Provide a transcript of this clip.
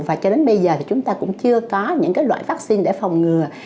và cho đến bây giờ thì chúng ta cũng chưa có những loại vaccine để phòng ngừa